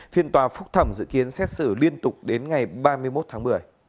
phiên tòa phúc thẩm dự kiến xét xử liên tục đến ngày ba mươi một tháng một mươi